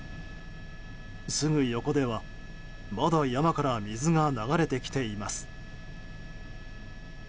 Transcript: すぐ横では、まだ山から水が流れてきています。